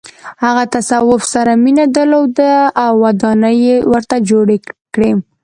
هغه تصوف سره مینه درلوده او ودانۍ یې ورته جوړې کړې.